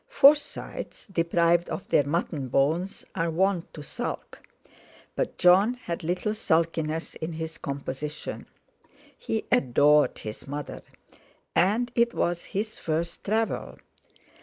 Forsytes deprived of their mutton bones are wont to sulk. But Jon had little sulkiness in his composition. He adored his mother, and it was his first travel.